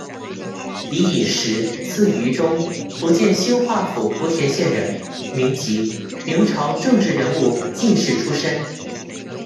李寅实，字于中，福建兴化府莆田县人，民籍，明朝政治人物、进士出身。